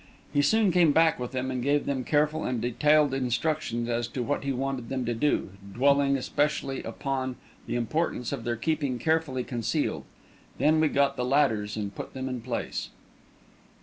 He soon came back with them, and gave them careful and detailed instructions as to what he wanted them to do, dwelling especially upon the importance of their keeping carefully concealed. Then we got the ladders and put them in place.